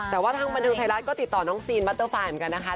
แต่ว่าทางบันเทิงไทยรัฐก็ติดต่อน้องซีนมัตเตอร์ไฟล์เหมือนกันนะคะ